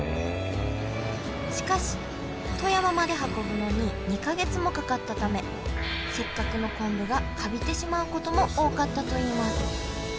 しかし富山まで運ぶのに２か月もかかったためせっかくの昆布がカビてしまうことも多かったといいます。